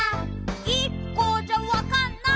「１個じゃわかんない」